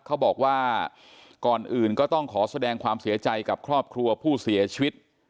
เขาบอกว่าก่อนอื่นก็ต้องขอแสดงความเสียใจกับครอบครัวผู้เสียชีวิต